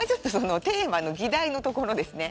テーマの議題のところですね。